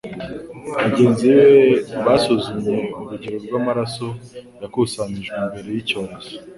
bagenzi be basuzumye urugero rw'amaraso yakusanyijwe mbere y’icyorezo